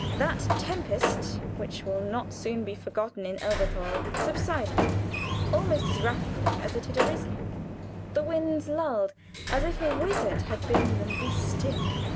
That tempest, which will not soon be forgotten in Elberthal, subsided almost as rapidly as it had arisen. The winds lulled as if a wizard had bidden them be still.